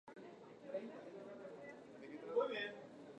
mamá omongaru aja mbarakaja